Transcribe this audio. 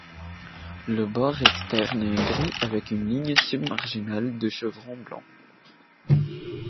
Le bord externe est gris avec une ligne submarginale de chevrons blancs.